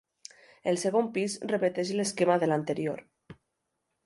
El segon pis repeteix l'esquema de l'anterior.